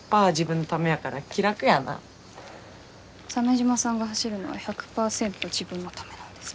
鮫島さんが走るのは１００％自分のためなんですか？